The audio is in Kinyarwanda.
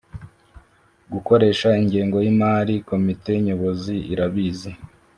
gukoresha ingengo y imali komite nyobozi irabizi